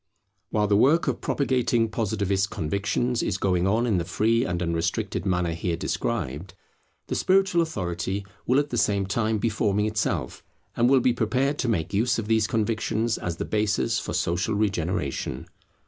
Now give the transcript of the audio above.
While the work of propagating Positivist convictions is going on in the free and unrestricted manner here described, the spiritual authority will at the same time be forming itself, and will be prepared to make use of these convictions as the basis for social regeneration.